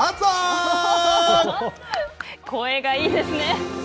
声がいいですね。